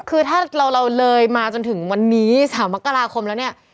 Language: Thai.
คือถ้าเราเลยมาจนถึงวันนี้๓มกราคมแล้วเนี่ย